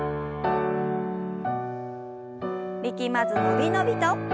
力まず伸び伸びと。